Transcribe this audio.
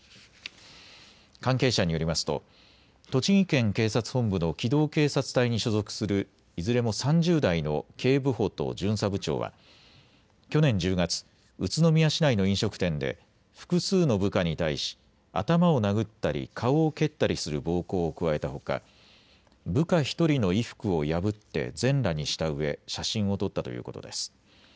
関係者によりますと栃木県警察本部の機動警察隊に所属するいずれも３０代の警部補と巡査部長は、去年１０月、宇都宮市内の飲食店で複数の部下に対し頭を殴ったり顔を蹴ったりする暴行を加えたほか部下１人の衣服を破って全裸にしたうえ写真を撮ったということです。